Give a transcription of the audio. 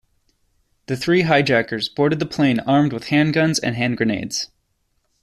The three hijackers boarded the plane armed with handguns and hand grenades.